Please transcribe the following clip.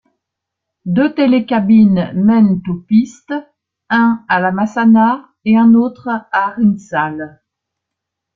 Deux télécabines mènent aux pistes, un à La Massana et un autre à Arinsal.